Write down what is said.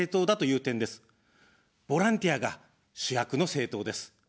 ボランティアが主役の政党です。